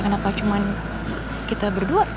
kenapa cuma kita berdua